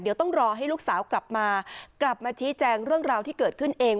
เดี๋ยวต้องรอให้ลูกสาวกลับมากลับมาชี้แจงเรื่องราวที่เกิดขึ้นเอง